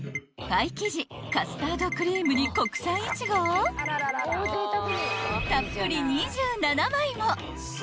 ［パイ生地カスタードクリームに国産イチゴをたっぷり２７枚も］